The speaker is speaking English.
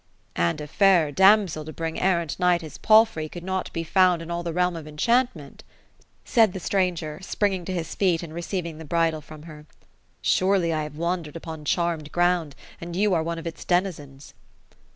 " And a fairer damsel to bring errant knight his palfrey could not be found in all the realm of enchantment ;" said the stranger, springing to his feet, and receiving the bridle from her; ^^ surely I have wandered upon charmed ground, and you are one of its denizens."